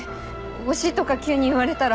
「推し」とか急に言われたら。